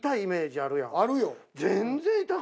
あるよ。